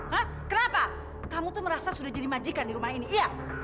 hah kenapa kamu tuh merasa sudah jadi majikan di rumah ini iya